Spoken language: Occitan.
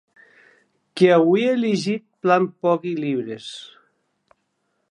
Qu’auie liejut plan pòqui libres.